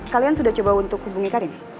kalian sudah coba untuk hubungi kalian